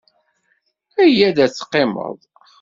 Yya-d ad teqqimeḍ.